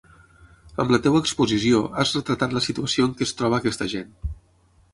Amb la teva exposició has retratat la situació en què es troba aquesta gent.